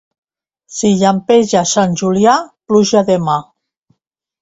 Si llampega a Sant Julià, pluja demà.